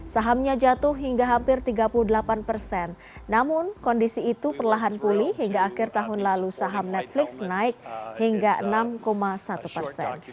sahamnya jatuh hingga hampir tiga puluh delapan persen namun kondisi itu perlahan pulih hingga akhir tahun lalu saham netflix naik hingga enam satu persen